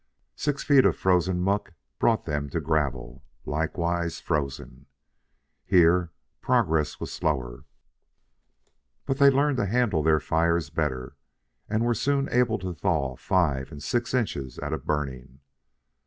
Six feet of frozen muck brought them to gravel, likewise frozen. Here progress was slower. But they learned to handle their fires better, and were soon able to thaw five and six inches at a burning.